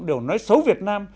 đều nói xấu việt nam